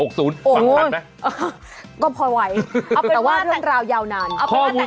ฟังครับนะอ๋อก็พอไหวเอาเป็นว่าเพื่อนเรายาวนานเอาเป็นว่าแต่